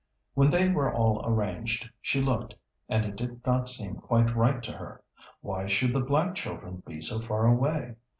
When they were all arranged, she looked, and it did not seem quite right to her. Why should the black children be so far away?